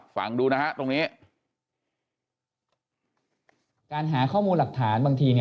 ฟังดูนะฮะตรงนี้